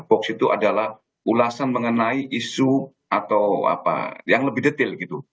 hoax itu adalah ulasan mengenai isu atau apa yang lebih detail gitu